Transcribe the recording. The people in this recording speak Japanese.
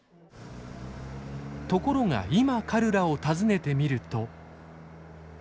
ところが今カルラを訪ねてみると。